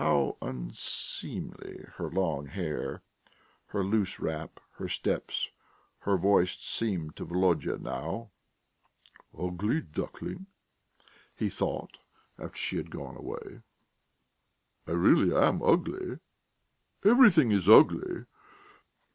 How unseemly her long hair, her loose wrap, her steps, her voice seemed to Volodya now!... "'Ugly duckling' ..." he thought after she had gone away. "I really am ugly ... everything is ugly."